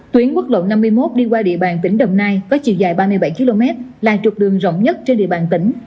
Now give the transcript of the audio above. tuyến quốc lộ năm mươi một đi qua địa bàn tỉnh đồng nai có chiều dài ba mươi bảy km là trục đường rộng nhất trên địa bàn tỉnh